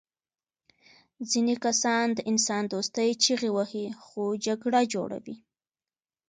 ځینې کسان د انسان دوستۍ چیغې وهي خو جګړه جوړوي